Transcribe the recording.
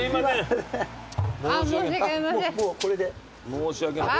申し訳ない。